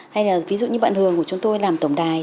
hay là ví dụ như bạn hường của chúng tôi làm tổng đài